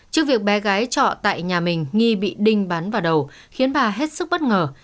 trước việc bé gái trọ tại nhà mình nghi bị đinh bán vào đầu khiến bà hết sức bất ngờ